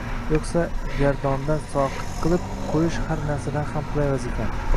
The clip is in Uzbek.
Yo’qsa gardondan soqit qilib qo’yish har narsadan ham qulay vazifa